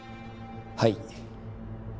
はい。